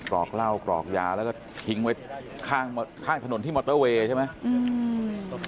อกเหล้ากรอกยาแล้วก็ทิ้งไว้ข้างถนนที่มอเตอร์เวย์ใช่ไหม